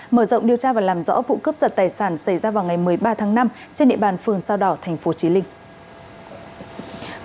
mở rộng điều tra và làm rõ vụ cướp giật tài sản xảy ra vào ngày một mươi ba tháng năm trên địa bàn phường sao đỏ thành phố trí linh